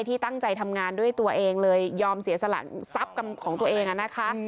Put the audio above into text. ที่ตั้งใจทำงานด้วยตัวเองเลยยอมเสียสละทรัพย์ของตัวเองนะคะ